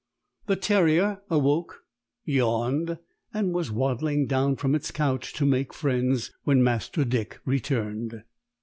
The terrier awoke, yawned, and was waddling down from its couch to make friends, when Master Dick returned.